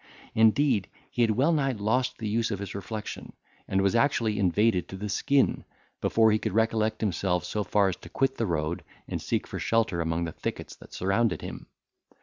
Indeed, he had well nigh lost the use of his reflection, and was actually invaded to the skin, before he could recollect himself so far as to quit the road, and seek for shelter among the thickets that surrounded him.